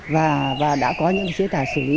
và đã có những chế tài xử lý